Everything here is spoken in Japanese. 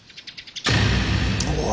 うわ！